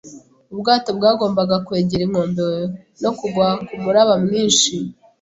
Ubwato bwagombaga kwegera inkombe no kugwa kumuraba mwinshi.